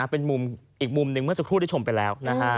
เป็นอีกมุมหนึ่งเมื่อสักครู่ได้ชมไปแล้ว